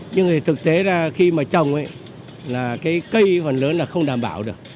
nhưng thì thực tế ra khi mà trồng ấy là cái cây phần lớn là không đảm bảo được